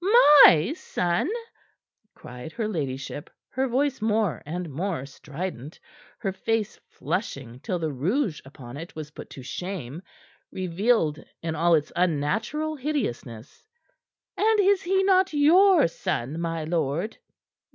My son?" cried her ladyship, her voice more and more strident, her face flushing till the rouge upon it was put to shame, revealed in all its unnatural hideousness. "And is he not your son, my lord?"